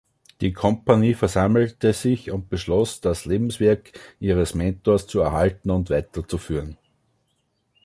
Die Compagnie versammelte sich und beschloss, das Lebenswerk ihres Mentors zu erhalten und weiterzuführen.